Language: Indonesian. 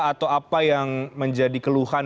atau apa yang menjadi keluhan